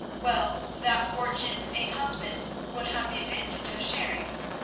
Well, that fortune a husband would have the advantage of sharing.